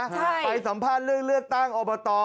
ไปสัมภาษณ์เลือกตั้งอบต